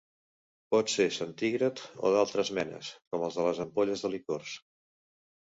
Pot ser centígrad o d'altres menes, com els de les ampolles de licors.